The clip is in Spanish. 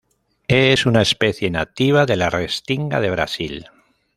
Es una especie nativa de la restinga de Brasil.